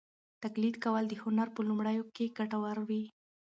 تقلید کول د هنر په لومړیو کې ګټور وي.